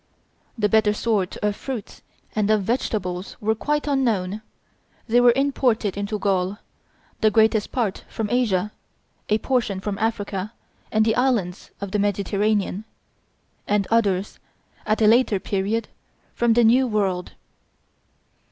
The better sort of fruits and of vegetables were quite unknown; they were imported into Gaul the greatest part from Asia, a portion from Africa and the islands of the Mediterranean; and others, at a later period, from the New World.